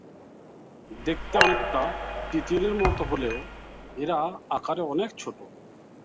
দেখতে অনেকটা তিতিরের মত হলেও এরা আকারে অনেক ছোট।